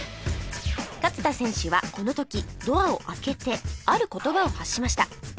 勝田選手はこの時ドアを開けてある言葉を発しました